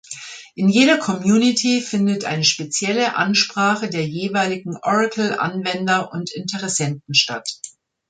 In jeder Community findet eine spezielle Ansprache der jeweiligen Oracle-Anwender und Interessenten statt.